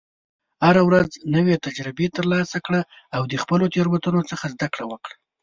هره ورځ نوې تجربې ترلاسه کړه، او د خپلو تېروتنو څخه زده کړه وکړه.